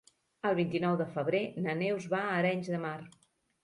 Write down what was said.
El vint-i-nou de febrer na Neus va a Arenys de Mar.